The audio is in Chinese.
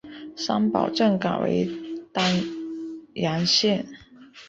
三堡镇改为丹阳县。